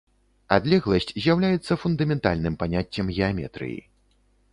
Адлегласць з'яўляецца фундаментальным паняццем геаметрыі.